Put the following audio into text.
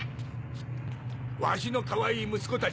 わしのかわいい息子たちだ。